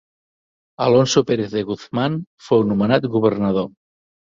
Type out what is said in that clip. Alonso Pérez de Guzmán fou nomenat governador.